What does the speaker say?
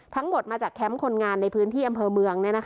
ทั้งหมดมาจากแคมป์คนงานในพื้นที่อำเภอเมือง